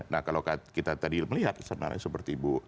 nah kalau kita tadi melihat sebenarnya seperti bu